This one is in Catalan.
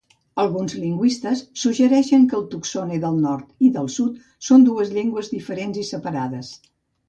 Alguns lingüistes suggereixen que el tutxone del nord i del sud són dues llengües diferents i separades.